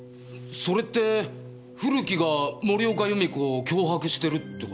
それって古木が森岡弓子を脅迫してるって事ですか？